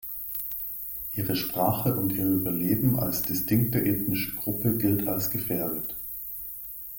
Ihre Sprache und ihr Überleben als distinkte ethnische Gruppe gilt als gefährdet.